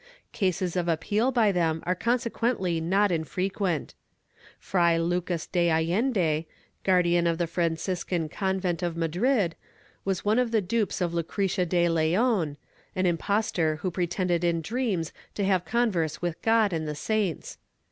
Cases of appeal by them are consequently not in frequent. Fray Lucas de Allende, Guardian of the Franciscan convent of Madrid, was one of the dupes of Lucrecia de Leon, an impostor who pretended in dreams to have converse with God and the saints.